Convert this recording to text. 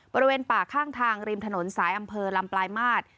บริเวณป่าข้างทางริมถนนสายอำเภอลำปลายมาตร